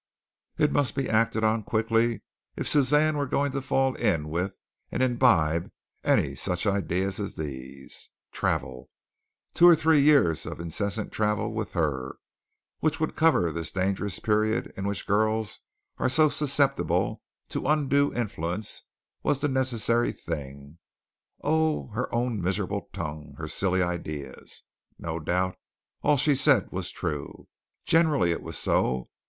It must be acted on quickly if Suzanne were going to fall in with and imbibe any such ideas as these. Travel two or three years of incessant travel with her, which would cover this dangerous period in which girls were so susceptible to undue influence was the necessary thing. Oh, her own miserable tongue! Her silly ideas! No doubt all she said was true. Generally it was so.